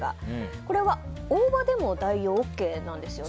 これは大葉でも代用ＯＫなんですよね。